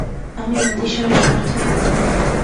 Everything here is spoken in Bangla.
আমি অতিশয় স্বার্থপর।